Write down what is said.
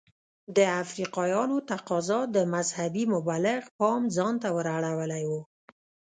د افریقایانو تقاضا د مذهبي مبلغ پام ځانته ور اړولی و.